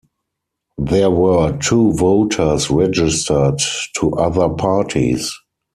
There were two voters registered to other parties.